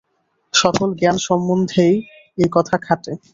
সকল জ্ঞান-সম্বন্ধেই এই কথা খাটে।